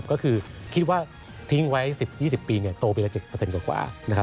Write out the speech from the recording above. ก็คือคิดว่าทิ้งไว้๑๐๒๐ปีโตปีละ๗กว่านะครับ